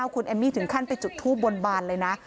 คุณเอมมี่ถึงขั้นไปจุดทูบบนบานเลยนะ